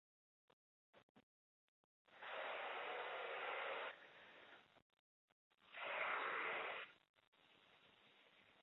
北海道比例代表区是日本众议院比例代表制选区。